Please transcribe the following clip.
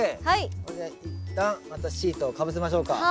これで一旦またシートをかぶせましょうか。